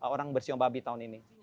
orang bersium babi tahun ini